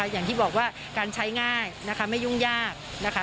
อย่างที่บอกว่าการใช้ง่ายไม่ยุ่งยาก